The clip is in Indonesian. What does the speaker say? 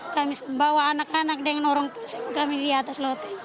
kami membawa anak anak dengan orang tua kami di atas loteng